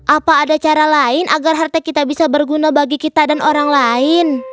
apa ada cara lain agar harta kita bisa berguna bagi kita dan orang lain